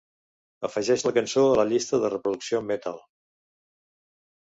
Afegeix la cançó a la llista de reproducció Metal.